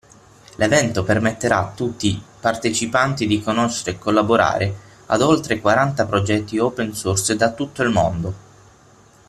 L'evento permetterà a tutti partecipanti di conoscere e collaborare ad oltre quaranta progetti opensource da tutto il mondo.